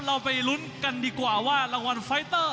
เราไปลุ้นกันดีกว่าว่ารางวัลไฟเตอร์